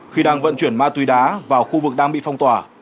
khi đang vận chuyển ma túy đá vào khu vực đang bị phong tỏa